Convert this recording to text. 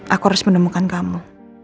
aku harus menemukan kamu